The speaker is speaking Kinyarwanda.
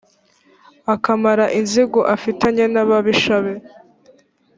akamara inzigo afitanye n’ababisha be.